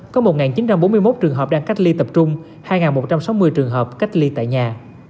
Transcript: có một chín trăm bốn mươi một trường hợp đang cách ly tập trung hai một trăm sáu mươi trường hợp cách ly tại nhà